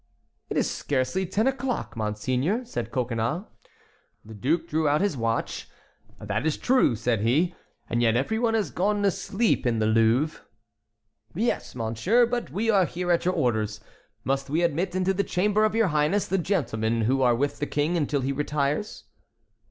"It is scarcely ten o'clock, monseigneur," said Coconnas. The duke drew out his watch. "That is true," said he. "And yet every one has gone to sleep in the Louvre." "Yes, monsieur, but we are here at your orders. Must we admit into the chamber of your highness the gentlemen who are with the King until he retires?"